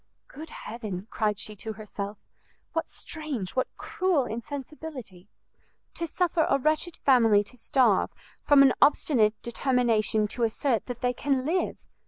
"Good heaven," cried she to herself, "what strange, what cruel insensibility! to suffer a wretched family to starve, from an obstinate determination to assert that they can live!